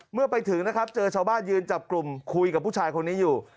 เมื่อไปถึงนะครับเจอชาวบ้านยืนจับกลุ่มคุยกับผู้ชายคนนี้อยู่